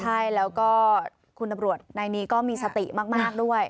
ใช่แล้วก็คุณตำรวจในนี้ก็มีสติมากด้วย